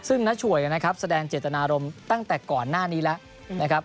ซึ่งน้าฉวยแสดงเจตนารมณ์ตั้งแต่ก่อนหน้านี้แล้ว